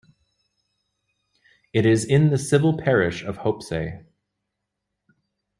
It is in the civil parish of Hopesay.